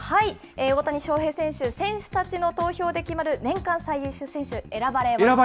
大谷翔平選手、選手たちの投票で決まる年間最優秀選手、選ばれました。